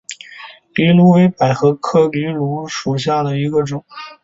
藜芦为百合科藜芦属下的一个种。